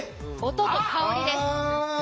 音と香りです。